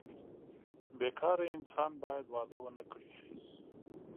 بې کاره انسان باید واده ونه کړي.